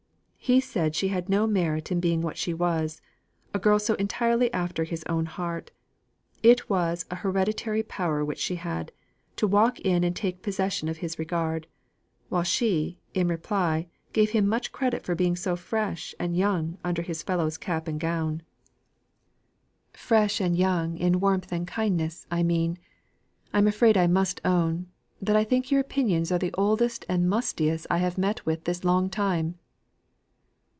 He said she had no merit in being what she was, a girl so entirely after his own heart: it was an hereditary power which she had, to walk in and take possession of his regard; while she, in reply, gave him much credit for being so fresh and young under his Fellow's cap and gown. "Fresh and young in warmth and kindness, I mean. I'm afraid I must own, that I think your opinions are the oldest and mustiest I have met with this long time."